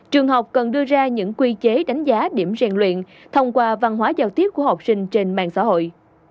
trường học cần đưa ra những quy chế đánh giá điểm rèn luyện thông qua văn hóa giao tiếp của học sinh trên mạng xã hội